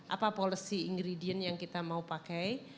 apa policy ingredient yang kita mau pakai